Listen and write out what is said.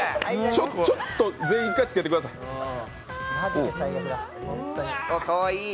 ちょっと、全員１回、着けてください。